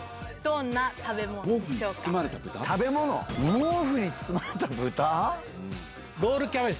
毛布に包まれた豚？